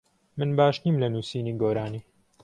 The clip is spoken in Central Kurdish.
من باش نیم لە نووسینی گۆرانی.